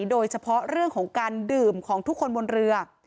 โดยเฉพาะเรื่องของการดื่มของทุกคนบนเรือ